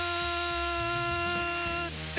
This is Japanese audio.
って